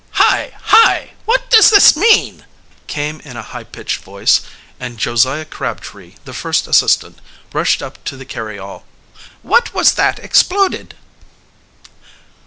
"Hi! Hi! What does this mean?" came in a high pitched voice, and Josiah Crabtree, the first assistant, rushed up to the carryall. "What was that exploded?"